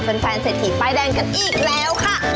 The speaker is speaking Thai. แฟนเศรษฐีป้ายแดงกันอีกแล้วค่ะ